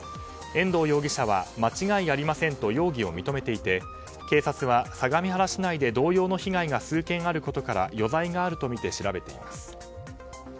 遠藤容疑者は間違いありませんと容疑を認めていて警察は相模原市内で同様の被害が数件あることから余罪があるとみて調べています。